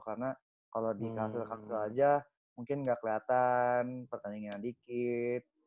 karena kalau di kasus kasus aja mungkin gak kelihatan pertandingan dikit